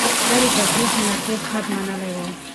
ده د تفريح مناسب حد منلی و.